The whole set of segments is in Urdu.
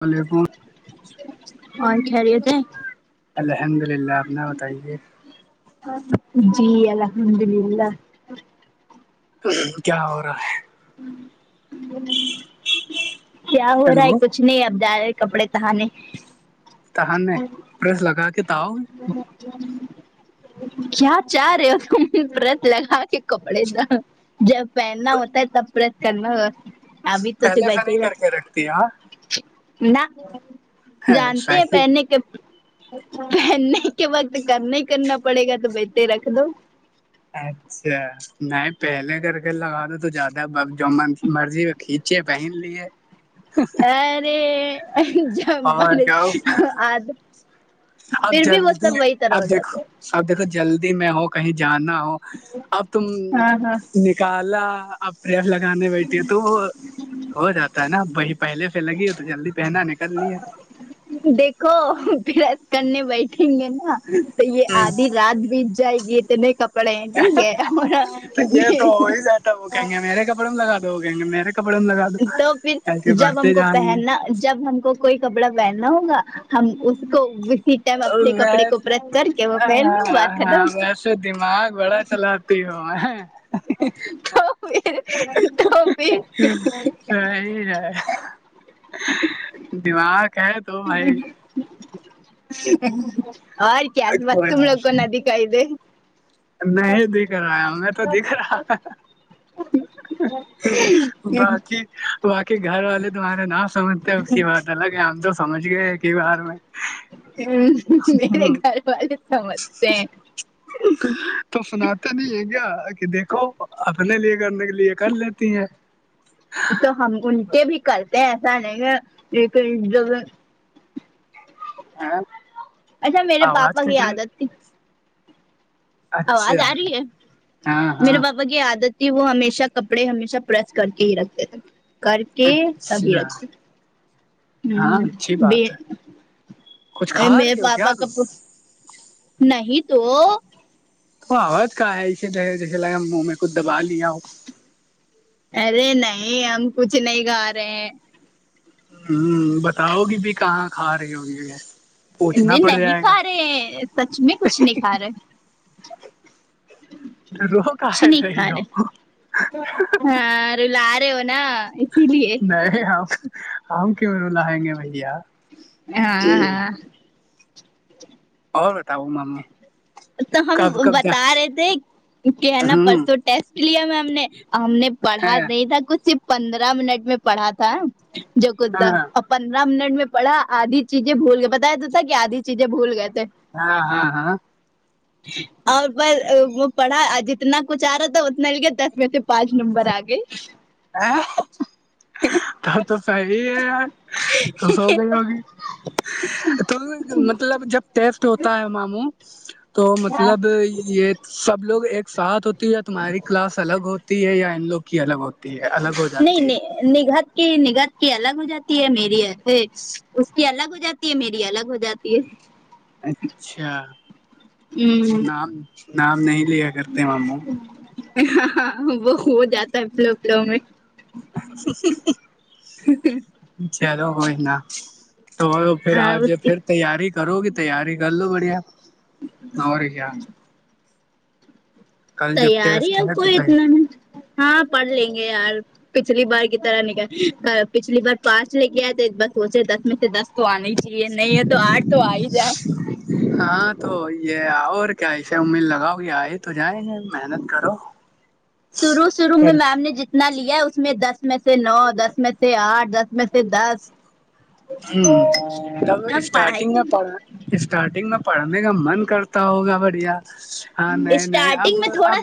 کالبون اور خیریت ہیں الحمد للہ ا پنا بتائیے جی الحمد للہ کیا ہو رہا ہے کیا ہو رہا ہے ہیلو کچھ نہیں اب جاریں کپڑے سہانے سہانہ پریس لگا کے تو آؤ کیا چاہ رہے ہو تم ورت لگا کے کپڑے دو جب پہننا ہوتا ہے تب پریس کرنا ہو ابھی تو سب پہلے سے ویسے نہیں ہی ہے کر کے رکھتی ہاں نہ جانتے ہیں صحیح پہننے کے پہننے کے وقت کرنا ہی کرنا پڑے گا تمہیں اسے رکھ دو اچھا نہیں پہلے کر کے لگا دو تو زیادہ جو مرضی کھینچے پہن لی ہے ہوں ارے ج اور ملے کیا آد اب پھر بھی وہ جلدی سب وہی طرح ہو اب جاتا دیکھو ہے اب دیکھو جلدی میں ہو کہیں جانا ہو اب تم ہاں ہاں کالا اب ریئل لگانے بیٹھے ہے تو وہ ہو جاتا ہے نا وہی پہلے سے لگی ہو تو جلدی پہنا نکلنی ہے دیکھو پھرس کرنے بیٹھیں گے نا تو یہ ہے ہ آدھی رات بیت جائے گی تو اتنے کپ تو یہ تو ہو ہی جاتا ہے وہ کہیں گے میرے کپڑے میں لگا دو وہ کہیں گے میرے کپڑوں کو لگا دو تو پھر ایسے جب ہم بڑھتے کو جائیں گے پہننا جب ہم کو کوئی کپڑا پہننا ہوگا ہم اس کو گف فری ٹائم اپنے کپڑے کو پرس کر کے وہ پہن لینگیں بات ہاں ختم ویسے دماغ بڑا چلاتی ہو میں تو پھر تو پھر صحیح رہائے دماغ ہے تو بھائی اور کیا بات کوئی تم لوگ کو نہ نہیں د کہہ دے نہیں دیکھ رہا ہے میں تو دیکھ رہا باقی باقی گھر والے تمہارا نا سمجھتے ہیں اس کی بات پ الگ ہم تو سمجھ گئے ایک ہی بار میں ہ میرے گھر والے سمجھتے ہیں تم سناتے نہیں ہے کیا کہ دیکھو اپنے لیے کرنے کے لیے کر لیتی ہے تو ہم ان کے بھی کرتے ہیں ایسا نہیں ہے لیکن جب ہاں اچھا میرے پاپا کی عادت تھی آواز اچھا آرہی ہے ہاں میرے ہاں باب پا کی عادت تھی وہ ہمیشہ کپڑے ہمیشہ پریس کر کے ہی رکھتے تھے کر کے تبھی اچھا رکھ ہوں ہاں اچھی ب بات ہے کچھ ا کھا میرے رہی ہو پاپا کیا تم کا پ نہیں تو تو آواز کا ہے اسی طے جیسے لگا ہم منہ میں کچھ دبا لیا ہو ارے نہیں ہم کچھ نہیں کھا رہے ہیں ہوں بتاؤ گی بھی کہاں کھا رہی ہوگی یہ پوچھنا نہیں پڑ نہیں جائے کھا گا رہے سچ میں کچھ نہیں کھا رہے تو رو کہے رہی ہو ہا رلا رہے ہونا نہیں ہم ہم کیوں رولائیں گے بھیا ہاں ہاں اور بتاؤ مما تو ہم بتا رہے تھے کہ ہے نا ہوں پرسوں ٹیسٹ لیا میں ہم نے ہم نے ہے پڑھا نہیں تھا کچھ صرف پندرہ منٹ میں پڑھا تھا جو کچھ ہاں تھا پندرہ منٹ میں پڑھا آدھی چیزیں بھول گئے بتایا تو تھا کیا آدھی چیزیں بھول گئے تھے ہاں ہاں ہاں اور ب وہ پڑھا جتنا کچھ آ رہا تھا اتنا لکھ دس میں سے پانچ نمبر آ گئے آں تب تو صحیح ہے یار تو سو گئی ہوگی تو مطلب جب ٹیسٹ ہوتا ہے ماموں تو ہاں مطلب یہ سب لوگ ایک ساتھ ہوتی ہے یا تمہاری کلاس الگ ہوتی ہے یا ان لوگ کی الگ ہوتی تی ہے الگ ہو جاتی ہے نگت کی نگت کی الگ ہو جاتی ہے میری یہس اس کی الگ ہو جاتی میری الگ ہو جاتی ہے [inaudible] اچھا نام نام نہیں لیا کرتے ہمو ہاں ہ وہ ہو جاتا ہے فلو فلو میں چلو کوئی نہ تو پھر آ ہاں ج اس کی پھر تیاری کرو گی تیاری کر لو بڑھیا اور کیا کل جب تیاری ہی ٹیسٹ اب ہے تو کوئی اتنا تیار۔ نا ہاں پڑھ لیں گے یار پچھلی بار کی طرح نکل پچھلی بار پانچ لے کے آئے تھ بس سوچے دس میں سے دس کو آنا ہی ج نہیں ہے تو آٹھ تو آ ہی جائے ہاں تو یہ اور کیا اسے امید لگاؤ کہ آئے تو جائیں گے محنت کرو شروع شروع میں میم نے جت نہ لیا اس میں دس میں سے نو دس میں سے آٹھ دس میں سے دس ہوں تب اب پڑھائی اسٹارٹنگ میں پڑا اسٹارٹنگ میں پڑھنے کا من کرتا ہوگا بڑھیا ہاں نئے نئے اب اب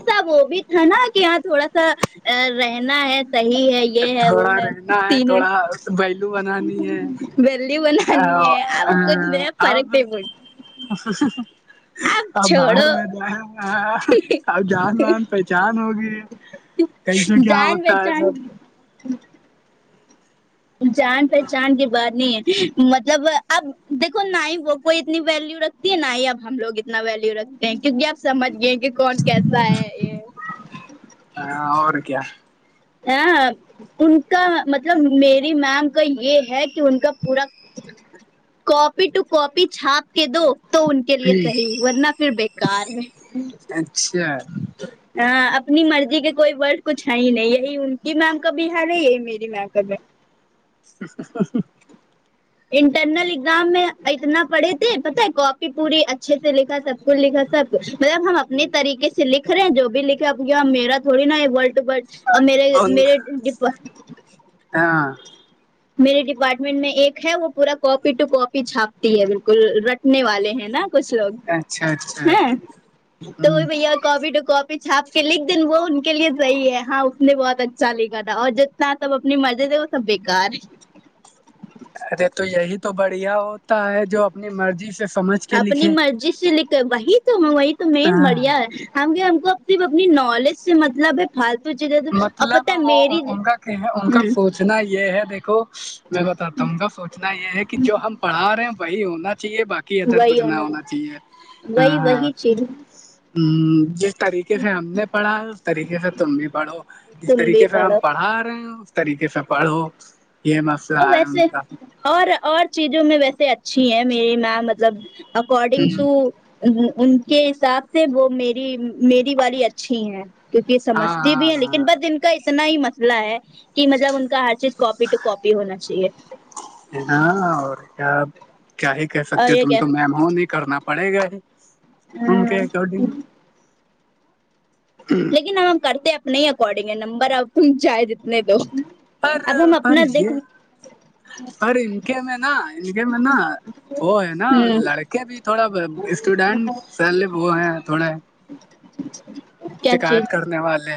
ہے نا کہ یہاں تھوڑا سا رہنا ہے صحیح ہے یہ ہے وہ تھوڑا ہے رہنا ہے تین تھوڑا بیلو بنانی ہے ویلیو بنانی ہے ا اب ا کچھ نہیں اب فرق نہیں پڑتا اب بھاڑ میں جائے آ جان مان پہچان ہوگی کیسے کیا جان ہوتا ہے پہچان سب جان پہچان کی بات نہیں ہے مطلب اب دیکھو نہ ہی وہ کوئی اتنی ویلو رکھتی ہے نہ ہی اب ہم لوگ اتنا ویلو رکھ کیونک اب سمجھ گئے کہ کون کیسا ہے یہ ہاں اور کیا ہاں ان کا مطلب میری میم کا یہ ہے کہ ان کا پورا کاپی ٹو کاپی چھاپ کے دو تو ان کے لیے صحیح ورنہ پھر بیکار ہے اچھا ہ اپنی مرضی کے کوئی ورڈ کچھ ہے ہی نہیں یہی ان کی میم کا بھی حال یہی میری میم کا بھی ہی ہی ہی ہی انٹرنل ایگزام میں اتنا پڑھے تھے پتا ہے کاپی پوری اچھے سے لکھا سب کچھ لکھا سب مطلب ہم اپنے طریقے سے لکھ رہے ہیں جو بھی لکھے میرا تھوڑی نا ورڈ ٹو ورڈ اور میرے ان میرے ڈپ ہاں میرے ڈپارٹمنٹ میں ایک ہے وہ پورا کاپی ٹو کوپی چھاپتی ہے بالکل رٹنے والے ہیں نا کچھ اچھا لوگ اچھا ہاں تو وہ ہ بھیا کپی ٹو کپ پ چھاپ کے لکھ دن وہ ان کے لیے صحیح ہے ہاں اس نے بہت اچھا لکھا تھا اور ج نہ سب اپنی مرضی سے وہ سب بیکار ہے ارے تو یہی تو بڑھیا ہوتا ہے جو اپنی مرضی سے سمجھ کے اپنی لکھے مرضی سے لک وہی تو وہی تو مین بڑھیا ہے ہم ہم کو اب اپنی نالج سے مطلب ہے فالتو چیزیں تو اور مطلب پتہ ہے میری ہ اتنا یہ ہے دیکھو میں بتاتا ہوں گا سوچنا یہ ہے کہ جو ہم پڑھا رہے ہیں وہی ہونا چاہیے باقی کہ ادھر کچھ نہ ہونا چاہیے ہاں وہی ہاں وہی چیز ہوں جس طریقے سے ہم نے پڑھا اس طریقے سے تم بھی پڑھو جس تم بھی طریقے سے ہم پڑھو پڑھ آر رہے ہو اس طریقہ سے پڑھو یہ م اور ویسے اور اور چیزوں میں ویسے اچھی ہے میری ماں مطلب اکارڈنگ ٹو ان کے حساب سے وہ میری میری والی اچھی ہیں کیونکہ یہ سمجھتی ہاں بھی ہیں لیکن ہاں بس ان کا اتنا ہی مسئلہ ہے کہ مطلب ان کا ہر چیز کاپی ٹو کاپی ہونا چاہیے ہاں اور کیا کیا ہی کہہ اور سکتے یہ تم تو میم ہو نہیں کرنا پڑے گا ہی ان کے ہوں اکارڈنگ لیکن ہم کرتے ہیں اپنے ہی اکارڈنگ ہے نمبر آپ چاہیں جتنے دو پر اب ہم پر اپنا دیکھ یہ پر ان کے میں نا ان کے میں نا وہ ہے نا ہوں لڑکے بھی تھوڑا اسٹوڈینٹ سیل وہ ہیں تھوڑے کیا شکایت چیز کرنے والے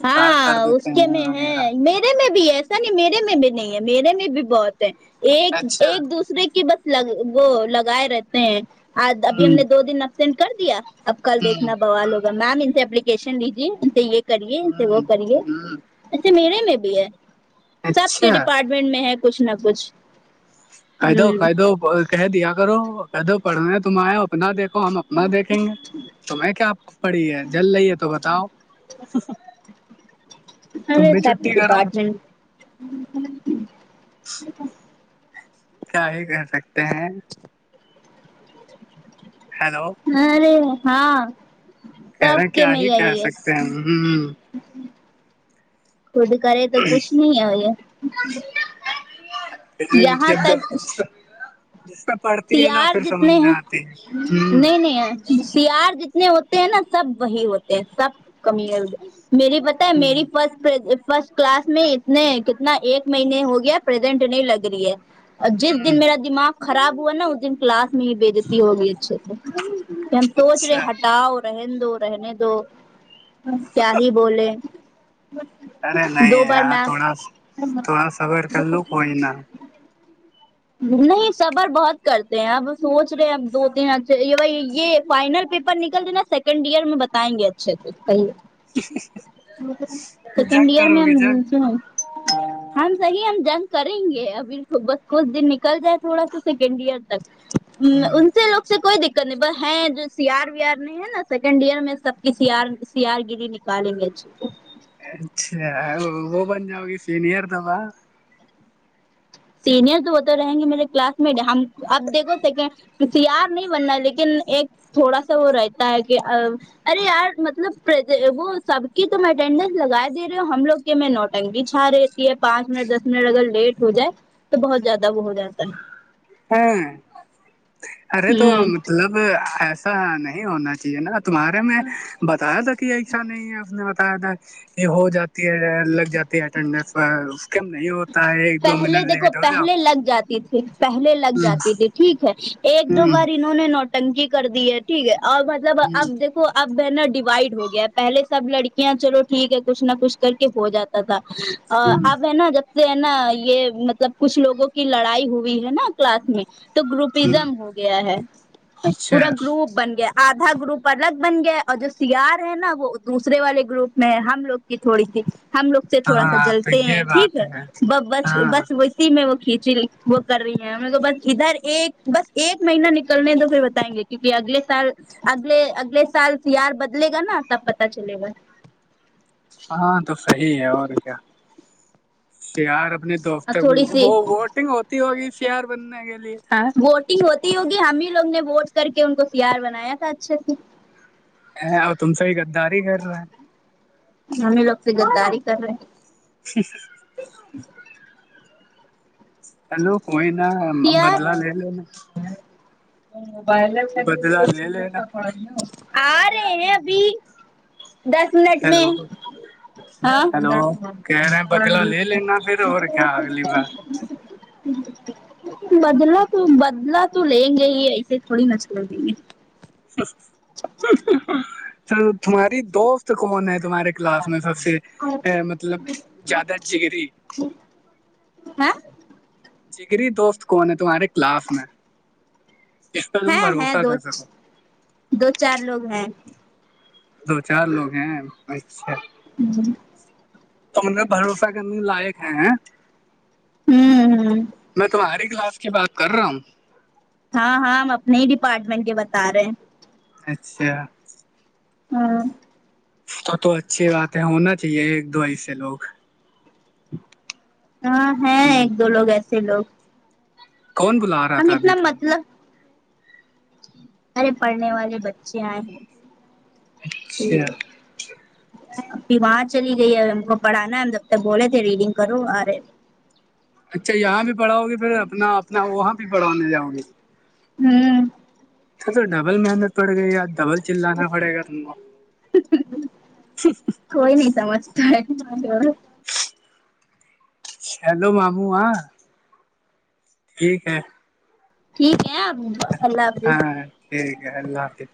شکایت کر دیتے ہیں وغیرہ یر میں بھی ایسا نہیں میرے میں بھی نہیں ہے میرے میں بھی بہت ہے ایک اچھا ایک دوسرے کی بس لگ وہ لگائے رہتے ہیں آج ابھی ہم ہ نے دو دن افسینٹ کر دیا اب کل ہ دیکھنا بوال ہوگا میم ان سے اپلیکیشن لیجیے ان سے یہ کرے ایسے وہ ہ کرے ہ ایسے میرے میں بھی ہے سب کے اچھا ڈیپارٹ منٹ میں ہے کچھ نہ کچھ قیدو ہوں قیدو کہہ دیا کرو قاعدہ پڑھنا تم آئے ہو اپنا دیکھ تو ہم اپنا دیکھیں گے تمہیں کیا پڑی ہے جل رہی ہے تو بتاؤ [unintelligible] ہرے تم بھی سب چھٹی کے کرو بار جن کیا ہی کر سکتے ہیں ہیلو ارے ہاں کہہ سب رہے کے کیا میں ہی کہہ آئی ہے سکتے ہیں ہ خود کرے تو کچھ نہیں ہو یہ [inaudible] یہاں تک پڑھتی ہے نا سیار پھر سمجھ جتنے میں ہیں آتی ہے ہم نہیں نہیں سیار جتنے ہوتے ہیں نا سب وہی ہوتے ہیں سب کمی میری پتا ہے ہ میری فرسٹ فرسٹ کلاس میں اتنے کتنا ایک مہینے ہو گیا پرزینٹ نہیں لگ رہی ہے اور جس دن ہ میرا دماغ خراب ہوا نا اس دن کلاس میں ہی بےعزتی ہوگی اچھے سے ہم سوچ رہے اچھا ہٹاؤ اور رہن دو رہنے دو کیا ہی بولے ارے نہیں دو بار یار میں تھوڑا تھوڑا صبر کر لو کوئی نا نہیں صبر بہت کرتے ہیں اب سوچ رہے ہیں اب دو تین اھے یہ بھائی یہ فائنل پیپر پرہنکل دنا سیکنڈ ایئر میں بتاے گے اچھے سے صحیح ہے جنگ سیکنڈئر کرو میں گے ان ہے جنگ سو ہے ہم صحیح ہم جنگ کریں گے ابھی تو بس کچھ دن نکل جائے تھوڑا سا سیکنڈ ایئر تک ان سے لوگ اس سے کوئی دیکت نہیں ہے جو سی آر وی آر ہے نا سیکنڈ ایئر میں سب کی سی آر سی آر گیری نکالیں گے اچھے سے اچھا وہ بن جاؤ گی سینئر تھابا سینئر تو وہ تو رہیں گے میرے کلاس مٹ ہم اب دیکھو سیکنڈ سی آر نہیں بننا لیکن ایک تھوڑا سا وہ رہتا ہے کہ ارے یار مطلب وہ سب کی تم اٹینڈینس لگا دے رہے ہو ہم لوگ کے میں نوٹنگی چھا رہے تھے یہ پانچ منٹ دس منٹ اگر لیٹ ہو جائے تو بہت زیادہ وہ ہو جاتا ہے ہاں ارے تو ہوں مطلب ایسا نہیں ہونا چاہیے نا تمہارے میں بتایا تھا کہ یہ ایسا نہیں ہے اس نے بتایا تھا یہ ہو جاتی ہے لگ جاتی ہے کنڈسر اس کے ویوس پہلے دیکھو پہلے لگ جاتی تھی پہلے لگ جاتی تھی ٹھیک ہے ہ ایک دو بار ہ انہوں نے نوٹنکی کر دی ہے ٹھیک ہے اور مطلب ہ آپ دیکھو اب ہے نا ڈیوائڈ ہو گیا ہے پہلے سب لڑکیاں چلو ٹھیک ہےکچھ نہ کچھ کر کے ہو جاتا تھا ہوں اب ہے نا جب سے اب نا یہ مطلب کچھ لوگوں کی لڑائی ہوئی ہے نا کلاس میں تو ہوں گروپزم ہو گیا ہے اچھا پورا گروپ بن گیا آدھا گروپ الگ بن گیا اور جو سی آر ہے نا وہ دوسرے والے گروپ میں ہے ہم لوگ تھوڑی سی ہم لوگ سے تھوڑا سا ہاں تو جلتے ہیں یہ ٹھیک بات ہے اب بس ہاں بس وہ میں وہ کھینچی وہ کر رہی ہیں ہمیں تو بس ادھر ایک بس ایک مہینہ نکلنے تو پھر بتائیں گے کیونکہ اگلے سال اگلے اگلے سال سی آر بدلے گا نا تب پتا چلے گا ہاں تو صحیح ہے اور کیا سی آر اپنے دوست اور تک تھوڑی سی وہ ووٹنگ ہوتی ہوگی شیار بننے کے لیے ووٹنگ ہوتی ہوگی ہم ہی لوگ نے ووٹ کر کے ان کو سی آر بنایا تھا اچھے سے اے اور تم سے ہی غداری کر رہے ہے ہمیں لوگ سے غداری کر رہے ہیں ہیلو کوئی نہ ہم سیار بدلا لے لو نا موبائل بھی بدلا لو لے لینا [unintelligible] آ رہے ہیں ابھی دس منٹ میں ہیلو ہاں ہیلو کہہ رہے ہیں بدلا لے لینا پھر اور کیا اگلی بار بدلا تو بدلا تو لیں گے ہی ایسے تھوڑی نہ چھوڑ دیں گے تو تمہاری دوست کون ہے تمہارے کلاس میں سب سے مطلب زیادہ جگری ہاں جگری دوست کون ہے تمہارے کلاس میں جس پر تم ہیں ہیں بھروسہ دو کر سکو دو چار لوگ ہیں دو چار لوگ ہیں اچھا [unintelligible] تو ان میں بھروسہ کرنے لائق ہیں ہوں ہوں میں تمہاری کلاس کی بات کر رہا ہوں ہاں ہاں ہم اپنے ہی ڈپارٹمنٹ کے بتا رہے ہیں اچھا ہاں تو تو اچھی بات ہے ہونا چاہیے ایک دو ایسے لوگ ہاں ہیں ہ ایک دو لوگ ایسے لوگ کون بولا ہم اتنا مطلب ہمارے پڑھنے والے بچے آئے اچھا ہیں ابھی وہاں چلی گئی ہے ہم کو پڑھانا ہے ہم جب بولے تھے ریڈنگ کرو آ رہے اچھا یہاں بھی پڑھاؤ گے پھر اپنا اپنا وہاں بھی پڑھانے جاؤ گے ہوں تو تو ڈبل محنت پڑ گئی ڈبل چلانا پڑے گا تم کو ہوں ہوں ہوں [inaudible] کوئی نہیں سمجھتا ہے [unintelligible] چلو ماموں آاں ٹھیک ہے ٹھیک ہے اب ہاں ٹھیک ہے اللہ حافظ